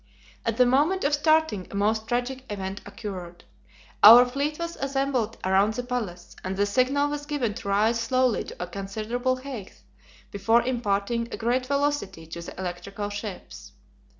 At the moment of starting a most tragic event occurred. Our fleet was assembled around the palace, and the signal was given to rise slowly to a considerable height before imparting a great velocity to the electrical ships.